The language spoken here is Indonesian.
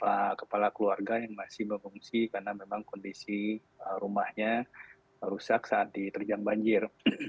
ada kepala keluarga yang masih mengungsi karena memang kondisi rumahnya rusak saat diterjang banjir